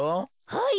はい！